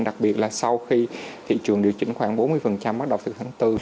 đặc biệt là sau khi thị trường điều chỉnh khoảng bốn mươi bắt đầu từ tháng bốn